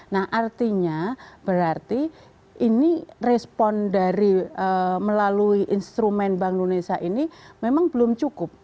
nah artinya berarti ini respon dari melalui instrumen bank indonesia ini memang belum cukup